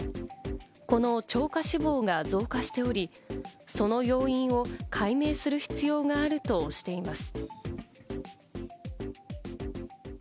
この超過死亡が増加しており、その要因を解明する必要があるとしています。